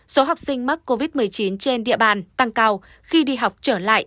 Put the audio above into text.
số học sinh mắc covid một mươi chín trên địa bàn tăng cao khi đi học trở lại